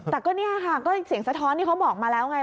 แต่ก็เนี่ยค่ะก็เสียงสะท้อนที่เขาบอกมาแล้วไง